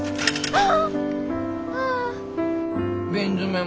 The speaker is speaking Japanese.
ああ。